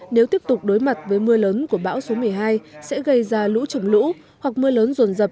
nếu tiếp tục đối mặt với mưa lớn của bão số một mươi hai sẽ gây ra lũ trồng lũ hoặc mưa lớn rồn rập